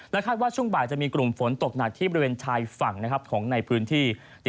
คาดว่าช่วงบ่ายจะมีกลุ่มฝนตกหนักที่บริเวณชายฝั่งนะครับของในพื้นที่